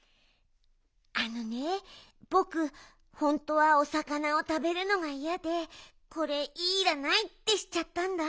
あのねぼくホントはおさかなをたべるのがいやで「これいらない」ってしちゃったんだ。